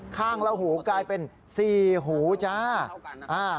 ข้างแล้วหูกลายเป็นสี่หูจ้าอ่า